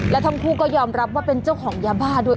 และทั้งคู่ก็ยอมรับว่าเป็นเจ้าของยาบ้าด้วย